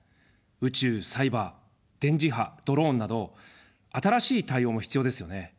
宇宙・サイバー・電磁波・ドローンなど新しい対応も必要ですよね。